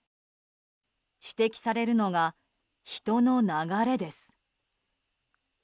指摘されるのが人の流れです。